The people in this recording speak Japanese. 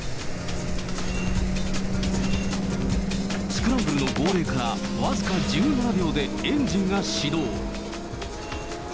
スクランブルの号令から僅か１７秒でエンジンが始動。